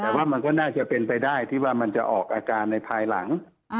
แต่ว่ามันก็น่าจะเป็นไปได้ที่ว่ามันจะออกอาการในภายหลัง